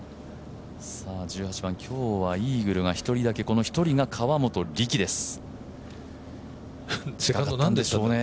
１８番、今日はイーグルが１人だけ、この１人が河本力です。